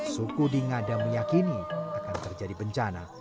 suku di ngada meyakini akan terjadi bencana